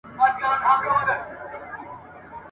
پر دې لاره مي پل زوړ سو له کاروان سره همزولی ..